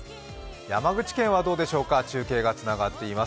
山口県はどうでしょうか、中継がつながっています。